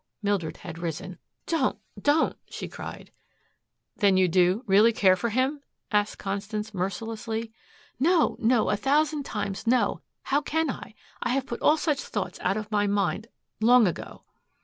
Mildred had risen. "Don't don't " she cried. "Then you do really care for him!" asked Constance mercilessly. "No no, a thousand times no. How can I? I have put all such thoughts out of my mind long ago."